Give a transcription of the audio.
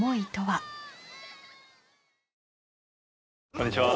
こんにちは。